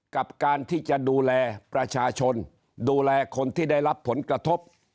กับการที่จะดูแลประชาชนดูแลคนที่ได้รับผลกระทบ